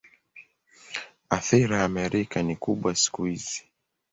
Athira ya Amerika ni kubwa siku hizi.